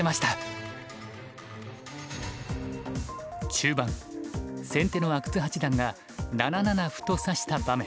中盤先手の阿久津八段が７七歩と指した場面。